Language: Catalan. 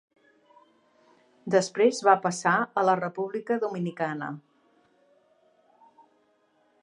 Després va passar a la República Dominicana.